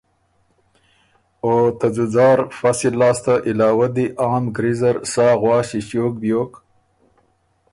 او ته ځُځار فصل لاسته علاوه دی عام ګری زر سا غواݭی ݭیوک بیوک